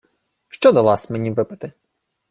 — Що дала-с мені випити?